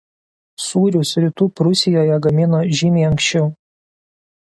Sūrius Rytų Prūsijoje gamino žymiai anksčiau.